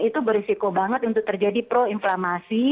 itu berisiko banget untuk terjadi pro inflamasi